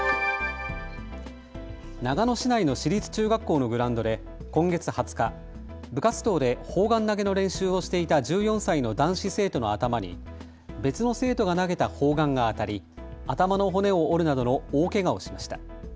長野市内の市立中学校のグラウンドで今月２０日、部活動で砲丸投げの練習をしていた１４歳の男子生徒の頭に別の生徒が投げた砲丸が当たり頭の骨を折るなどの大けがをしました。